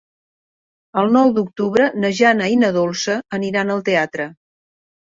El nou d'octubre na Jana i na Dolça aniran al teatre.